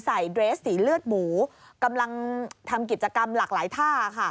เดรสสีเลือดหมูกำลังทำกิจกรรมหลากหลายท่าค่ะ